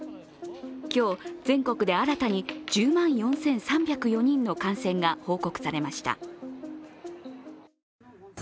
今日、全国で新たに１０万４３０４人の感染が報告されました。